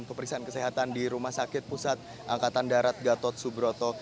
pemeriksaan kesehatan di rumah sakit pusat angkatan darat gatot subroto